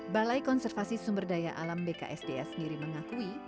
balai konservasi sumberdaya alam bksds sendiri mengakui